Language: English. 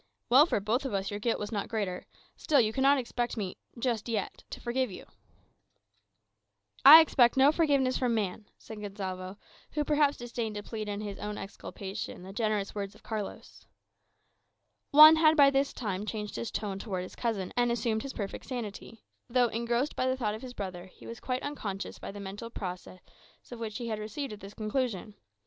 "Well for both of us your guilt was not greater. Still, you cannot expect me just yet to forgive you." "I expect no forgiveness from man," said Gonsalvo, who perhaps disdained to plead in his own exculpation the generous words of Carlos. Juan had by this time changed his tone towards his cousin, and assumed his perfect sanity; though, engrossed by the thought of his brother, he was quite unconscious of the mental process by which he had arrived at this conclusion.